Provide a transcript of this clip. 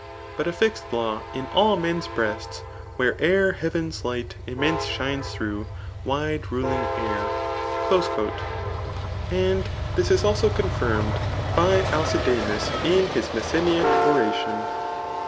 Bat a fixed law in all men's breasts, where'er Heaven's light immense shines thro' wide mling aor. And this is also confirmed by Akidamas in hisMesseniaic oration.